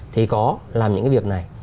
thì có làm những cái việc này